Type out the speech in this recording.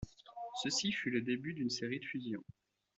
Ceci fut le début d'une série de fusions.